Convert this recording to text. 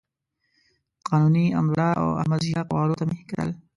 د قانوني، امرالله او احمد ضیاء قوارو ته مې کتل.